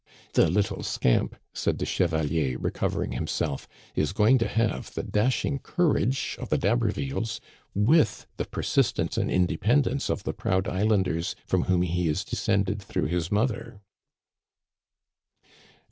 "The little scamp,'* said the chevalier recovering himself, is going to have the dashing courage of the D'Habervilles, with the persistence and independence of the proud islanders from whom he is descended through his mother.